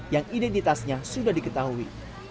yang identitasnya sudah diketahui